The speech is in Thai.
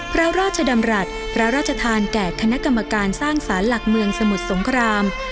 พระราชดำรัฐพระราชทานแก่คณะกรรมการสร้างสารหลักเมืองสมุทรสงคราม